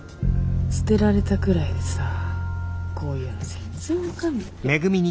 捨てられたくらいでさこういうの全然分かんない。